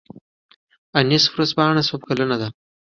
انیس ورځپاڼه څو کلنه ده؟